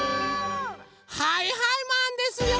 はいはいマンですよ！